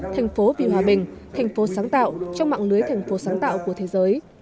thành phố vì hòa bình thành phố sáng tạo trong mạng lưới thành phố sáng tạo của thế giới